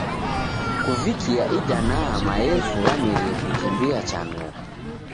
Kuvikia idanaha, maelfu w'amerie kukimbia cha noko.